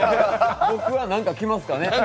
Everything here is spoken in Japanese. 僕は何か来ますかね？